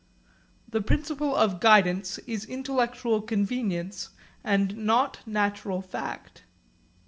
The principle of guidance is intellectual convenience and not natural fact.